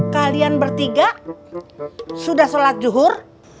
kalian bertiga sudah sholat zuhur